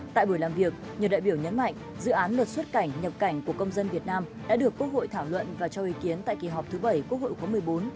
tại buổi làm việc nhiều đại biểu nhấn mạnh dự án luật xuất cảnh nhập cảnh của công dân việt nam đã được quốc hội thảo luận và cho ý kiến tại kỳ họp thứ bảy quốc hội khóa một mươi bốn